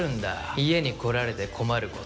家に来られて困ること。